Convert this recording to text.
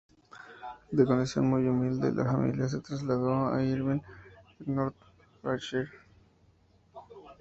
De condición muy humilde, la familia se trasladó a Irvine, en North Ayrshire.